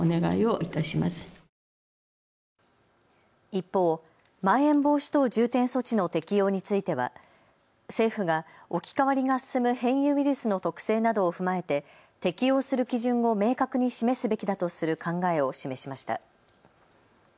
一方、まん延防止等重点措置の適用については政府が置き換わりが進む変異ウイルスの特性などを踏まえて適用する基準を明確に示すべきだとする考えを示しました。